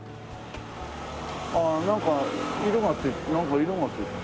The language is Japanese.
ああなんか色がついてなんか色がついてる。